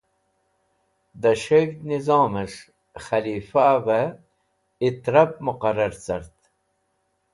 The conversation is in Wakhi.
da s̃heg̃hd nizom'esh khalifa've ITREB muqarer cart